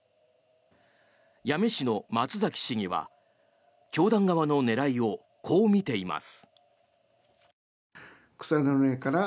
八女市の松崎市議は教団側の狙いをこう見ています。